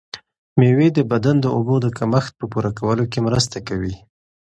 مېوې د بدن د اوبو د کمښت په پوره کولو کې مرسته کوي.